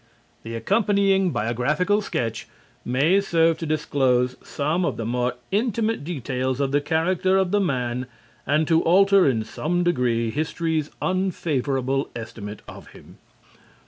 The accompanying biographical sketch may serve to disclose some of the more intimate details of the character of the man and to alter in some degree history's unfavorable estimate of him.